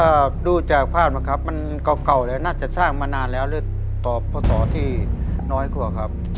ผมคิดว่าดูจากภาพนะครับมันเก่าแล้วน่าจะสร้างมานานแล้วเลยตอบพศที่น้อยกว่าครับ